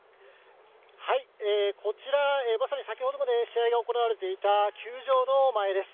こちら、まさに先ほどまで試合が行われていた球場の前です。